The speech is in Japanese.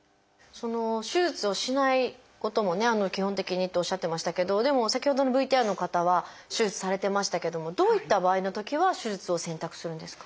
手術をしないこともね「基本的に」っておっしゃってましたけどでも先ほどのＶＴＲの方は手術されてましたけどもどういった場合のときは手術を選択するんですか？